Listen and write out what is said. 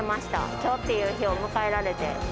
きょうっていう日を迎えられて。